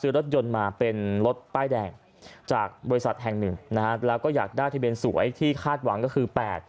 ซื้อรถยนต์มาเป็นรถป้ายแดงจากบริษัทแห่งหนึ่งแล้วก็อยากได้ทะเบียนสวยที่คาดหวังก็คือ๘ก